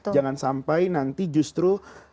jangan sampai nanti justru